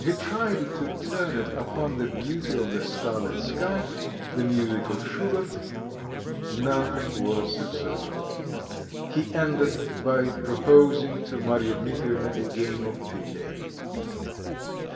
He tried to turn it upon the beauty of the starlit sky, the music of Schubert; nothing was successful. He ended by proposing to Marya Dmitrievna a game of picquet.